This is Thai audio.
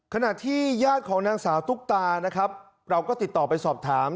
ขณะที่ญาติของนางสาวตุ๊กตานะครับเราก็ติดต่อไปสอบถาม